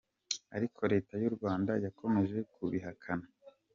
Ariko Leta y’u Rwanda yakomeje kubihakana.